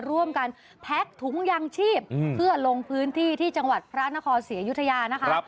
ร่วมกันแพ็กถุงยางชีพเพื่อลงพื้นที่ที่จังหวัดพระนครศรีอยุธยานะคะ